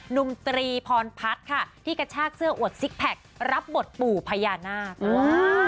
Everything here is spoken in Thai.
นตรีพรพัฒน์ค่ะที่กระชากเสื้ออวดซิกแพครับบทปู่พญานาค